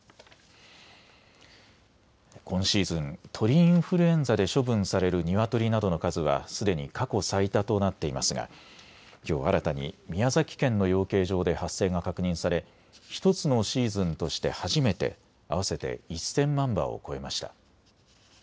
今シーズン、鳥インフルエンザで処分されるニワトリなどの数はすでに過去最多となっていますがきょう新たに宮崎県の養鶏場で発生が確認され、１つのシーズンとして初めて合わせて１０００万羽を超えました。